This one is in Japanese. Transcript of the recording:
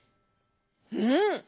うん！